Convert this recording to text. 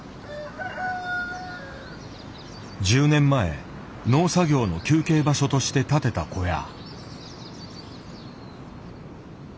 １０年前農作業の休憩場所として建てた小屋。